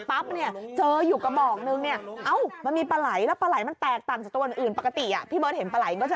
ผมก็เอารันรันก็คือกระบอกใช่หรอ